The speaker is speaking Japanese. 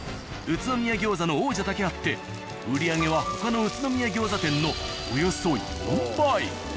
宇都宮餃子の王者だけあって売り上げは他の宇都宮餃子店のおよそ４倍。